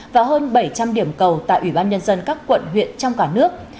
và hơn bảy trăm linh điểm cầu tại ubnd các quận huyện trong cả nước